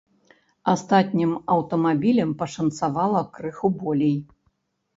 Астатнім аўтамабілям пашанцавала крыху болей.